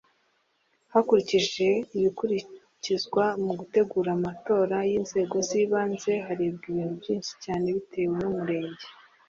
hakurikijwe ibikurikizwa mu gutegura amatora yinzego zibanze harebwa ibintu byinshi cyane bitewe n’umurenge